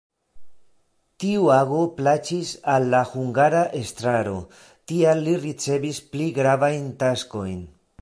Tiu ago plaĉis al la hungara estraro, tial li ricevis pli gravajn taskojn.